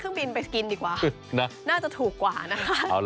ไม่ก่อนหรือ๓๐ห